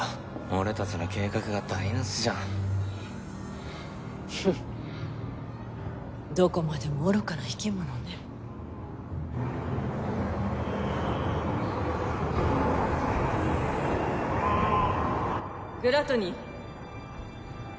俺達の計画が台なしじゃんフッどこまでも愚かな生き物ねグラトニー